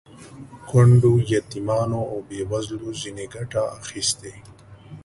کونډو، یتیمانو او بې وزلو ځنې ګټه اخیستې.